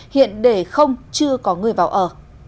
hiện để không chưa có người vào ở